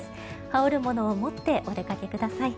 羽織るものを持ってお出かけください。